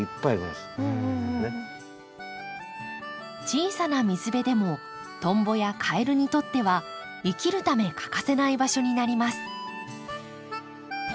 小さな水辺でもトンボやカエルにとっては生きるため欠かせない場所になります。